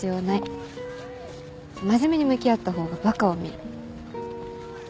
真面目に向き合った方がバカを見る。